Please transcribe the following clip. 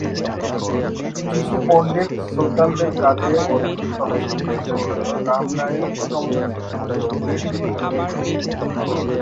কিছু পণ্ডিত সুলতানদের কাজে অতিরিক্ত হস্তক্ষেপের জন্য রাম রায়ের সমালোচনা করেছেন।